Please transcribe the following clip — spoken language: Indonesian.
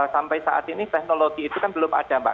sampai saat ini teknologi itu kan belum ada mbak